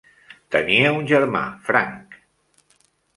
Tenia un germà, Frank.